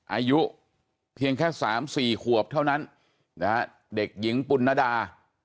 อายุเพียงแค่สามสี่ขวบเท่านั้นนะฮะเด็กหญิงปุณนดา